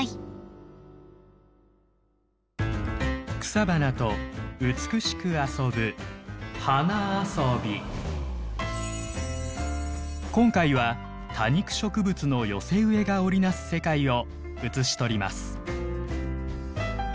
草花と美しく遊ぶ今回は多肉植物の寄せ植えが織り成す世界を写しとります。